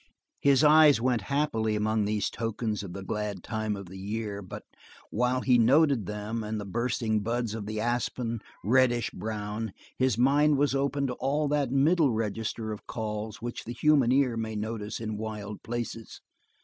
His eyes went happily among these tokens of the glad time of the year, but while he noted them and the bursting buds of the aspen, reddish brown, his mind was open to all that middle register of calls which the human ear may notice in wild places.